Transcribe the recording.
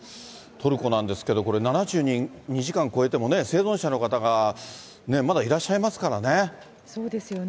トルコなんですけど、これ、７２時間超えてもね、生存者の方がまだいらっしゃいますからね。